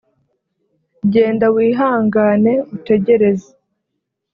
genda wihangane utegereze